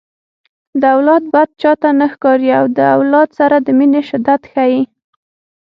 د اولاد بد چاته نه ښکاري د اولاد سره د مینې شدت ښيي